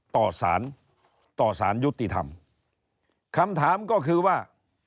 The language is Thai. ต่อสารต่อสารยุติธรรมคำถามก็คือว่า